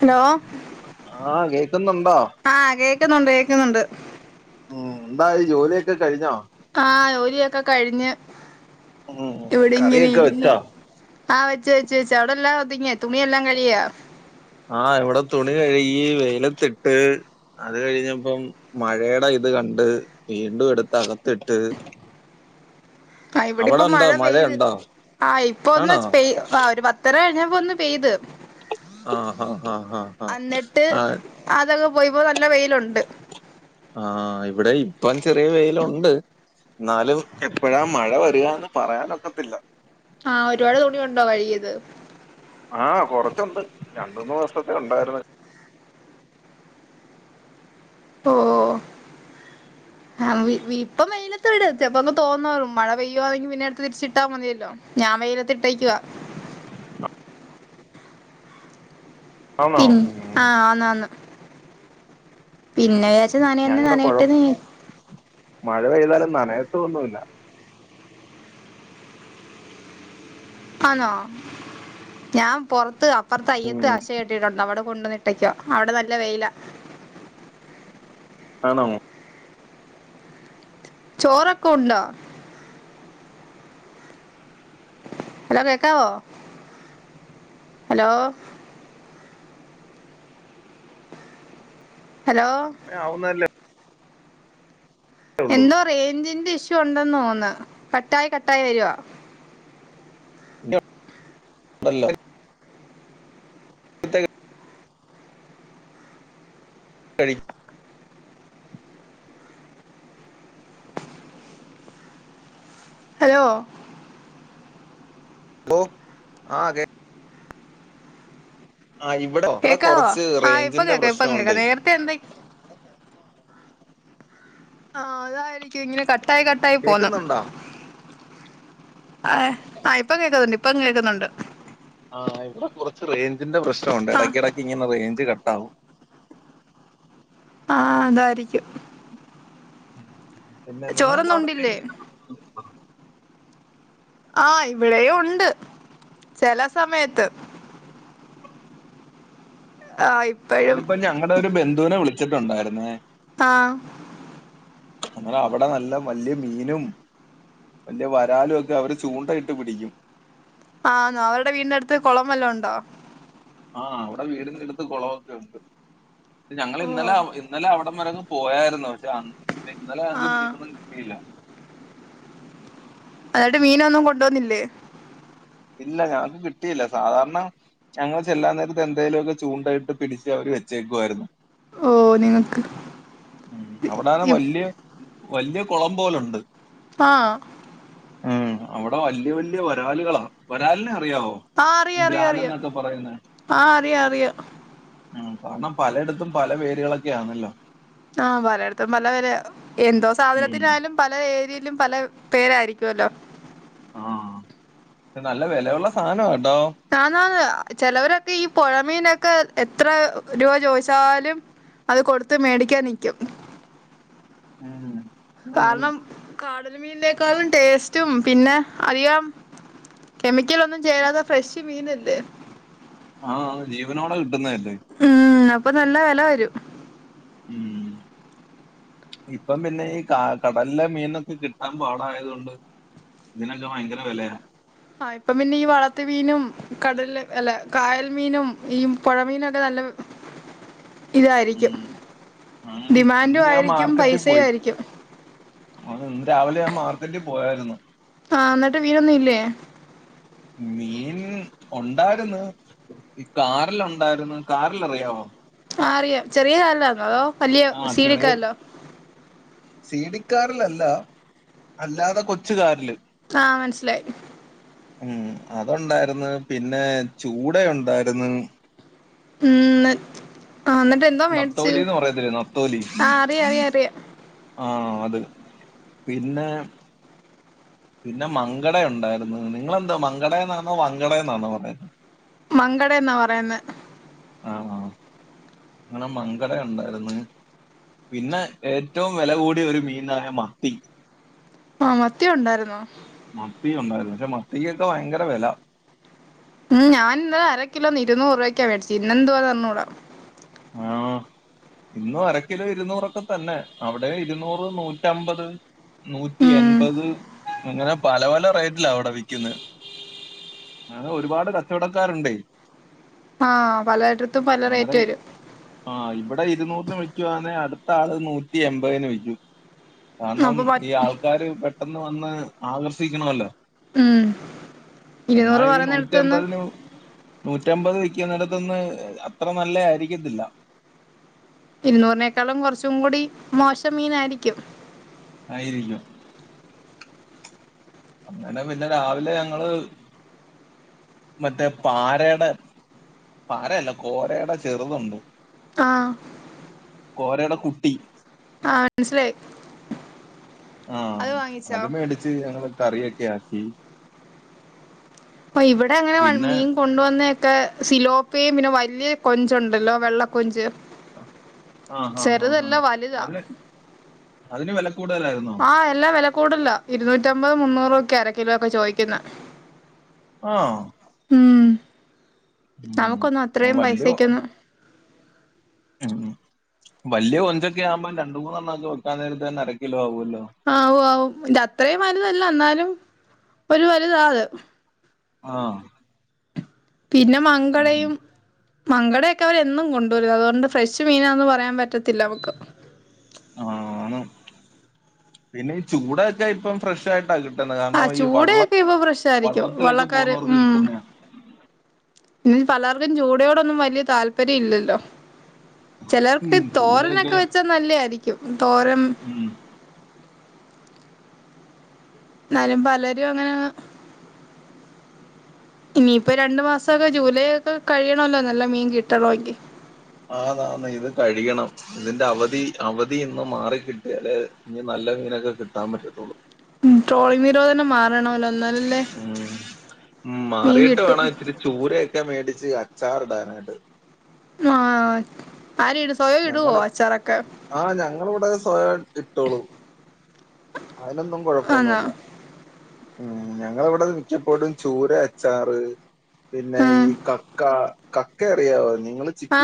Hello ആഹ് കേക്കുന്നുണ്ടോ ആ കേക്കുന്നുണ്ട് കേക്കുന്നുണ്ട് ഉം ന്തായി ജോലിക്കെ കഴിഞ്ഞോ ലിയൊക്കെ കഴിഞ്ഞ് ഉം ഇവിടെങ്ങനെ കറിയൊക്കെ ഇരുന്ന് വെച്ചോ ആ വ ച് വച്ച് ച്ച് അവിടെല്ലാം ഒതുങ്ങിയോ തുണിയെല്ലാം കഴുകിയോ ആ ഇവടെ തുണി കഴുകി വെയിലത്തിട്ട് അത് കഴിഞ്ഞപ്പം മഴടെ ഇത് കണ്ട് വീണ്ടും എടുത്ത് അകത്തിട്ട് ആ അവിടെ ഇവിടിപ്പം ഉണ്ടോ മഴ പെയ്ത് മഴയുണ്ടോ ആ ഇപ്പോ ഒന്ന് ആണോ പെയ് ആ ഒരു പത്തര കഴിഞ്ഞ പ്പോ ഒന്ന് പെയ്ത് ആ ആ ആ ആ ആ ആത് പോയപ്പോ ന ആ ഇവടെയും ഇപ്പയിന് ചെറിയ വെയിലുണ്ട് ന്നാലും എപ്പഴാ മഴ വരുക ന്ന് പറയാൻ ഒക്കത്തില്ല ആ ഒരുപാട് തുണി ഉണ്ടോ കഴുകിയത് ആ കൊറച്ചുണ്ട് രണ്ട് മൂന്ന് ദിവസത്തെ ഉണ്ടായിരുന്ന് ഓ ഹം വി വി ഇപ്പം വെയിലത്തിട് ചെപ്പങ്ങ് തോർന്നോളും മഴ പെയ്യുവാണെങ്കി പിന്നെ എടുത്ത് തിരിച്ചിട്ടമതിയല്ലോ ഞാൻ വെയിലത്തിട്ടെക്കുവാ ആണോ തിം ആ വന്ന് വന്ന് പിന്നെ വിചാച്ച് ഞാങ്ങടെ പൊഴോ മഴ പെയ്താല നനയത്തൊന്നും ഇല്ല ആന്നോ ഞാൻ പൊറത്ത് അപ്പറ്ത്ത് അയത്ത് ആശെ കെട്ടിട്ടുണ്ട് അവടെ കൊണ്ടെന്ന് ഇട്ടെക്ക അവിടെ നല്ല വെയിലാ ആണോ ചോറൊക്ക ഉണ്ടോ ഹലോ കേക്കാവോ ഹലോ ഹലോ പ്പഴേ ആവുന്നതല്ലേ ഉള്ളൂ എന്തോ റേയ്ഞ്ചിന്റെ ഇഷ് ഷ്യൂ ഉണ്ടെന്നാേന്ന് കട്ടായി കട്ടായി വര്‌വാ ഇല്ല [unintelligible] കഴിക്കു ഹലോ ഹലോ ആ കേക്ക് ഇവിടെ ഇവിടെ കേക്കാവോ കുറച്ച് ആഹ് ഇപ്പം റേഞ്ചിന്റെ കേക്കാ ഇപ്പം കേക്കാ പ്രശ്നമുണ്ടേ നേരത്തെ എന്താ ആഹ് അതായിരിക്കും ഇങ്ങനെ കട്ടായി കട്ടായി പോന്ന്‌ കേക്കുന്നുണ്ടോ ആ ആ ഇപ്പൊ കേൾക്കുന്നുണ്ട് ഇപ്പ കേൾക്കുന്നുണ്ട് ആ ഇവിടെ കുറച്ച്. റേഞ്ചിന്റെ പ്രശ്നൊണ്ട്. ആ ഇടയ്ക്കിടയ്ക്ക്. ഇങ്ങനെ റേഞ്ച് കട്ട് ഉണ്ടാവും ആ അതായിരിക്കും പിന്നെ നിങ്ങക്ക് ചോറൊന്നും അവിടെ ഉണ്ടില്ലേ [unintelligible] ആ എവിടെയും ഉണ്ട് ചെല സമയത്ത് ആഹ് ഇപ്പഴും ഞാനിപ്പോ ഞങ്ങടെ ഒരു ബന്ധുനെ വിളിച്ചു ച്ചിട്ടുണ്ടായിരുന്നേ ആ അന്നേരം അവിടെ വല്യ മീനും വല്യ വരാലോക്കെ അവര് ചൂണ്ടായിട്ട് പിടിക്കും ആന്നോ അവര്ടെ വീടിനടുത്ത് കോളോം വല്ലോം ഉണ്ടൊ? ആ അവ്ടെ വീടിന്റെ അടുത്ത് കോളൊക്കെ ഉണ്ട് ഞങ്ങളിന്നലെ ഓഹ് ഇന്നലെ അവടെം വരെ ഒന്ന് പോയായിര്ന്നു ഇന്നലെ ഞങ്ങക്ക് ആഹ് മീനൊന്നും കിട്ടിയില്ല എന്നട്ട് മീനൊന്നും കൊണ്ടൊന്നില്ലേ? ഇല്ല ഞങ്ങള്ക്ക് കിട്ടിയില്ല, സാധാരണ ഞങ്ങൾ ചെല്ലാൻ നേരത്ത് എന്തേലൊക്കെ ചൂണ്ടയിട്ട് പിടിച്ച് അവര് വെച്ചേക്കുവായിരുന്നു ഓഹ് നിങ്ങക്ക് അവ്ടെന് ഇപ് വല്യ വല്യ കൊളം പോലുണ്ട് ആഹ് ഉം അവ്ടെ വല്ല്യ വല്ല്യ വരാല്കളാ വരാല്നെ ആ അറിയ അറിയ അറിയാം ആ അറിയാം ഉം പണം പലയിടത്തും പല പേരുകളൊക്കെ ആണല്ലോ ആ പലേട്തും പല വെലയാ എന്തോ ഉം. സാധനത്തിനായലും പല ഏരീലും പല പേരായിരിക്കോല്ലോ ആഹ് ന്നല്ല വെലയുള്ള സാനാ [unintelligible] ആന്നാ ന്ന് ചെലോരൊക്കെ ഈ പൊഴ മീനൊക്കെ എത്രാ രുവ ചോദിച്ചാലും അത് കൊടുത്ത് മേടിക്കാൻ നിക്കും ഉം ആണ്. കാരണം കാ കടല് മീനേകാളും ടേസ്റ്റും പിന്നെ അധികം കെമിക്കലൊന്നും ചേരാതെ ഫ്രഷ് മീനല്ലേ ആൺ ആൺ ജീവനോടെ കിട്ടുന്നെ ഏ ഇപ്പ ന്നല്ല വെലവെരും ഉം ഇപ്പം പിന്നെ ഈ കാ കടലിലെ മീനൊക്കെ കിട്ടാൻ പാടായത്കൊണ്ട് ഇതിനൊക്കെ വയങ്കര വെലയാ ആ ഇപ്പം പിന്നെ ഈ വളർത്തുമീനും കടലിലെ അല്ല കായൽമീനും ഈ പൊഴമീനൊക്കെന്നല്ല ഇതായിരിക്കും ഉം. ആ ഇന്ന് ഡിമാൻ്റുആയിരിക്കും പൈസേയായിരിക്കും ആണ് ഇന്ന് രാവിലെ ഞാൻ മാർക്കറ്റിപ്പോയാര്ന്നു ആ ന്നിട്ട് മീനൊന്നുല്ലേ മീന് ഒണ്ടാര്ന്ന് ഇ കാരലുണ്ടാർന്ന് കാരലറിയാവോ ആ അറിയാം ചെറിയ കാരലാർന്നോ അതോ വല്ല്യ ആ സി വി ചെറിയ കാരലോ സി വി കാരലല്ല അല്ലാത കൊച്ച് കാരല് ആ മനസിലായ്- മ് അതൊണ്ടാരുന്നു പിന്നെ ചൂട ഉണ്ടാരുന്ന്- മ് ഇന്ന് ആ എന്നിട്ട് എന്തോ മേടിച്ച് നത്തോലി എന്ന് പറയത്തില്ലേ നത്തോലി ആ അറിയാംഅറിയാം ആ അത് പിന്നെ - പിന്നെ മങ്കടയുണ്ടായിരുന്നു നിങ്ങൾ എന്തുവാ മങ്കടന്നാന്നോ വങ്കടേന്നാണോ പറയുന്നേ മങ്കടേന്നാ പറയുന്നേ ആ അ നിങ്ങടെ മങ്കടയുണ്ടായിരുന്നു പിന്നെ ഏറ്റവും വെലകൂടിയ ഒരു മീനാ മത്തി ആ ത്തി ഉണ്ടായിരുന്നോ ഇല്ല മത്തിക്കൊക്കെ ഭയങ്കര വെല ഞാനിന്നലെ അരക്കിലോ ഇരിനുറ് രൂപയ്ക്ക് വാങ്ങിച്ച് ഇന്ന് എന്തുവാന്നറിയില്ല ആ ഇന്നും അരക്കിലോ ഇര്നൂറൊഒക്കെ തന്നെ അവിടെ ഇരുന്നൂറോ നൂറ്റമ്പത് - ഉം നൂറ്റിയെൻപത് അങ്ങനെ പല പല റേറ്റിലാ അവിടെ വിയ്ക്കുന്നെ അങ്ങനെ ഒരുപാട് കച്ചവടക്കാര് ഉണ്ടേ ആ പലേട്ത്തും പല അങ്ങനെ റേറ്റ് വരും ആ ഇവിടെ ഇരുനൂറിന് വിക്കുവാണേ അടുത്ത ആള് നൂറ്റിയെമ്പതിന് വികും കാരണം അപ്പൊ ഈ മറ്റ് ആൾക്കാര് പെട്ടെന്ന് വന്ന ന്ന് ആകർഷിക്കണ അല്ലോ ഉം എന്നാ ഇരുന്നൂറ് ഈ പറയുന്നിടത്ത്ന്ന് നൂറ്റിയെമ്പതിനു നൂറ്റിഅമ്പത് വെക്കുന്നോടാതനിന്ന് അത്ര നല്ല അരി എന്ന് ഇല്ല ഇരുന്നൂരിനെക്കാളും കുറച്ചും കൂടി മോശമായിരിക്കും ആയിരിക്കുന് അങ്ങനെ പിന്നെ രാവിലെ ഞങ്ങള് മറ്റേ പാരേടെ പാരയല്ല കോരേടെ ചെറുതുണ്ട് ആ കോരേടെ കുട്ടി ആ മനസിലായി ആ അത് മേടിച്ച് ഞങ്ങള് കറിയൊക്കെ ആക്കി അപ്പൊ ഇവിടെ അങ്ങനെ പിന്നെ മീൻ കൊണ്ടുവന്നേക്കെ സിലോപ്പയും പിന്നെ വലിയ കൊഞ്ചുണ്ടല്ലോ വെള്ളകൊഞ്ച് ഹ ഹ ഹാ ഹാ അതിനു വില കൂടുതലായിരുന്നോ ആ എല്ലാവില കൂടുതലാ ഇരുത്തുറ്റിയമ്പത് മുന്നൂറ് ഇക് അരക്കിലോക്കെ ചോദിക്കണെ ആ അവക്കൊന്നു ഉം അത്രയും പൈസക് ഒന്നും വലിയ കൊഞ്ച്ഒക്കെ ആവുമ്പോൾ വയ്ക്കാൻ നേരത്ത്തന്നെ അരകിലോ അവലോ ആവും ഒര് വലുതാ അത് ആഹ് പിന്നെ മംഗളയും മങ്കട ഒക്കെ അവര് എന്നും കൊണ്ട് വരും അതുകൊണ്ട് ഫ്രഷ് മീൻ ആന്ന് പറയാൻ പറ്റത്തില്ല നമ്മക്ക് ആന്ന് പിന്നെ ഈ ചുടായൊക്കെ ഇപ്പോ ഫ്രഷ് ആയിട്ട കി ആഹ് ചൂടയൊക്കെ ഇപ്പോ ഫ്രഷ് ആയിരിക്കും വള്ളത്തിലൊക്കെ വള്ളക്കാര് പോകുന്നവർക്ക് ഉം കിട്ടുന്നയാ പല ചൂടയോടൊന്നും വലിയ താല്പര്യം ഇല്ലല്ലോ ചെലർക്ക് ഉം തോരൻ ചൂടൊക്കെ ഓക്കെ വെച്ച നല്ലേ ആയിരിക്കും തോരൻ ഉം ന്നാലും പലരും അങ്ങനെ ഇനി ഇപ്പോ രണ്ട് മാസം ഒക്കെ ജൂലൈ ഒക്കെ കഴിയാണോല്ലോ നല്ല മീൻ കിട്ടണോങ്കിൽ ആന്ന് ആന്ന് ഇത് കഴിയണം ഇതിന്റ അവധി അവധി ഒന്ന് മാറി കിട്ടിയാലേ ഇനി നല്ല മീൻ ഒക്കെ കിട്ടാൻ പറ്റത്തൊള്ളു മ് ട്രോളി നിരോധനം മാ ഉം ഉം മീൻ മാറിയിട്ട് കിട്ടും വേണം ഇച്ചിരി ചുരയൊ ചൂരയോക്കെ മേടിച് അച്ചാർ ഇടനായിട്ട് ആഹ് ആരയിടും സ്വയം ഇടുവോ ഞങ്ങൾ അച്ചാറൊക്കെ ആഹ് ഞങ്ങൾ ഇവിടെ സ്വയം ഇട്ടോളും അയിന് ഒന്നും ആന്നോ കൊഴപ്പൊന്നുവില്ല ഉം ഞങ്ങൾ ഇവിടെ മി മിക്കപ്പോഴും ചുരയൊ അച്ചാറ് പിന്നെ ഉം ഈ കക്ക കക്കയറായാവോ ഞങ്ങള് ചി-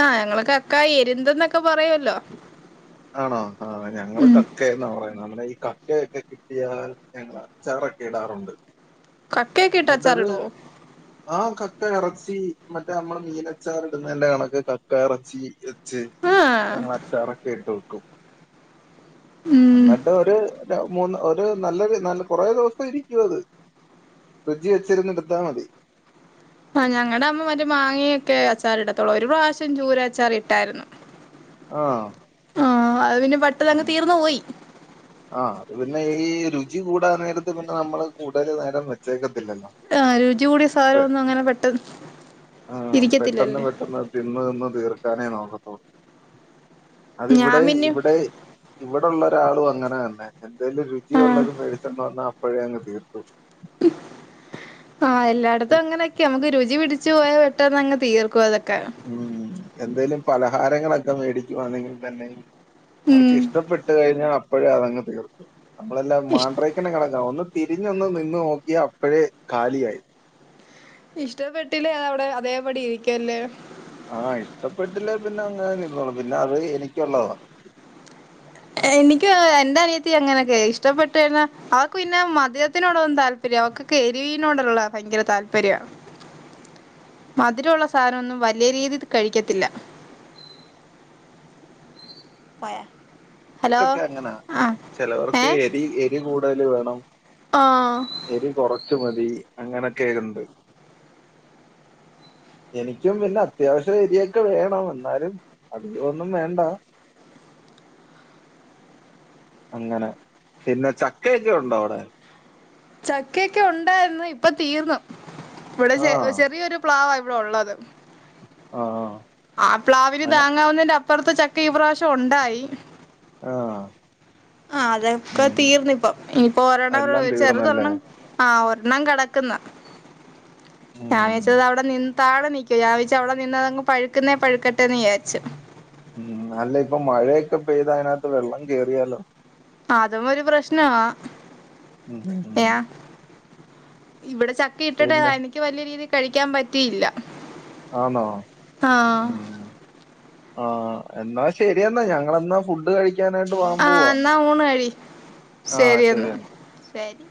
ആ ഞങ്ങള് കക്ക എര്ന്ത് ന്നൊക്കെ ആണോ ഞങ്ങള് ഉം കക്കയെന്നാ പറയുന്നെ കക്കയൊക്കെ കിട്ടിയാ ഞങ്ങള് അച്ചാറൊക്കെ ഇടാറുണ്ട് കക്കെയൊക്കെയിട്ട് എന്നിട്ടൊരു അച്ചാറിടോ ആ കക്ക ഇറച്ചി മറ്റേ നമ്മള് മീനച്ചാർ ഇടുന്നല്ല കണക്ക് കക്ക ഇറച്ചി ആഹ് ഞങ്ങൾ അച്ചാറൊക്കെ ഇട്ടു ഉം ഉം എന്നിട്ട് ഒരു- മൂന്ന് ഒരു നല്ല നല്ല കൊറേ ദിവസം ഇരിക്കുവത് ഫ്രിഡ്ജി വെച്ചിരുന്ന് ടുത്താ മതി ആ ഞങ്ങളടെ അമ്മമാര് മാങ്ങയൊക്കെ അച്ചാറിടും ഇഒരു പ്രാവശ്യം ചൂരാച്ചാറി ട്ടായിരുന്നു ആഹ് ആ അത് പിന്നെ പെട്ടന്നങ്ങ് ഉം തീർന്നു പോയി ആ അത് പിന്നെ ഈ ഇജ്ജ് കുടാൻനേരത്ത് പിന്നെ നമ്മള് കുടുതൽ നേരം വെച്ചേകു ആ രുചി കുടി പെ ആ പെട്ടെന്ന് ഇരിക്കത്തില്ലല്ലേ പെട്ടെന്ന് തിന്ന് തിന്ന് തിർക്കാന ഞാൻ നേ [unintelligible] അത് ഞാൻ ഇവിടെയ് പിന്നെ ഇവിടെയ് ഉ ഇവിടെയുള്ള ഒരാളും അങ്ങനെ തന്നെ വല്ല ആഹ് രുചിയുള്ളതും മേടിച്ച്തന്ന ന്ന അപ്പഴേ അങ്ങ് തീർക്കും ഉം ആ എല്ലാട്ത്തും അങ്ങനെക്കെയാ നമുക്ക് രുചി പിടി ഉവേ പെട്ടെന്ന് അങ്ങ് തീർക്കും അത് ഉം എന്തെലും പലഹാരങ്ങളെ മേടിക്കുകയാണെങ്കിൽ തന്നെയും ഉം അവർക്ക് ഇഷ്ടപ്പെട്ടു കഴിഞ്ഞാ അപ്പഴേ അതങ്ങ് തീർക്കും അപ്പോളല്ലേ ഇഷ് മാൻഡ്രെക്ക് എല്ലാം കണക്കാ ഒന്ന് തിരിഞ്ഞൊന്നു നിന്ന് നോക്കിയ അപ്പഴേ കാലിയായി. ഇഷ്ടപ്പെട്ടില്ലേ അതവിടെ അതേപടി ഇരിക്കുവല്ലേ? ആ ഇഷ്ടപ്പെട്ടില്ലേ പിന്നെ അങ്ങനെതന്നെ ഇരുന്നോളും പിന്നെ അത് എനിക്കൊള്ളതാ. എനിക്കും അങ്ങനെ, എന്റനിയത്തീ അങ്ങനെക്കെയാ ഇഷ്ടപ്പെട്ടുകഴിഞ്ഞാ, അവക്കു പിന്നേ മധുരത്തിനോടൊന്നും താല്പര്യം, അവക്കൊക്കെ എരിവിനോടൊള്ള ഭയങ്കര താല്പര്യാ. മധുരഒള്ള സാധനവൊന്നും വല്ല്യരീതീ കഴിക്കത്തില്ല. പൊയാ. ക്കക്കെ എങ്ങനാ ചേലോർക്കു ഏഹ് എരി എരി കൂ തല് വേണം. ആഹ് എരി കൊറച്ചു മതി. തി അങ്ങനൊക്കെ ഒണ്ട്. എനിക്കും പിന്നത്യാവശ്യം എരിയൊക്കെ വേണം എന്നാലും അധികോന്നും വേണ്ടാ. അങ്ങനെ, പിന്നേ ചക്കയൊക്കെ ഒണ്ടൊ അവിടെ? ചക്കയൊക്കെ ഒണ്ടാരുന്നു, ഇപ്പ തീർന്നു. ഇവിടെ ചെ ആഹ് ചെറിയൊരു പ്ലാവാ വിടൊള്ളത്. ആഹ് ആഹ് ആ പ്ലാവിന് അന താങ്ങാവുന്നെന്റെ അപ് പ്പറത്തു ചക്ക ഈ പ്രാവശ്യം ഉണ്ടായി. ആ.. ആ അതൊക്കെ തീർന്നിപ്പോ ഇനിപ്പോ ഒരെണ്ണം എല്ലാം ഒരു തീർന്നല്ലേ? ചെറുതൊരെണ്ണം ആ ഒര ണ്ണം കെടക്കുന്നു. ഉം ഞാവിചാച്ചതിവിടെ നിന് താഴെ നിക്കേ ഞാൻ വിചാരിച്ചു അവിടെ നിന്ന് പഴുക്കുന്നെ പഴുക്കട്ടെന്നു വിചാരിച്ചു. മ് അല്ലായിപ്പോ മഴൊക്കെ പൈത് അതിനാത് വെള്ളം കേറിയാലോ. അതും ഒരു പ്രശ്നാ ഉം ഉം ഉം ഇവടെ സ് ചക്കയിട്ടിട്ട് പിന്നെ ഇൻക്ക് വല്ല്യ രീതിയി കഴിക്കാൻ പറ്റിയില്ല ആണോ ആ മ് ആ എന്നാ ശരിയെന്ന ഞങ്ങളെന്ന ഫുഡ് കഴ് ആ ന്നാ ഊണ് കഴി ആഹ് ശെരിയെന്ന ശരിയെന്നാ. ശരി.